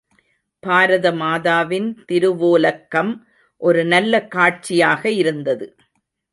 பாரதமாதாவின் திருவோலக்கம் ஒரு நல்ல காட்சியாக இருந்தது.